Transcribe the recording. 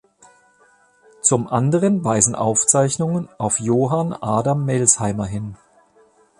Zum anderen weisen Aufzeichnungen auf Johann Adam Melsheimer hin.